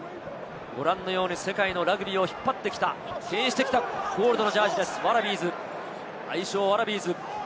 ご覧のように世界のラグビーを引っ張ってきた、けん引してきたゴールドのジャージーです、愛称・ワラビーズ。